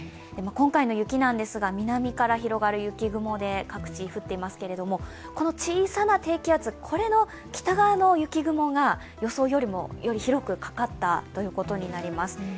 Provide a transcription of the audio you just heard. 今回の雪なんですが南から広がる雪雲で各地降っていますけれども、この小さな低気圧の北側の雪雲が予想より広くかかったということになります。